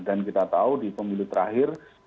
dan kita tahu di pemilu terakhir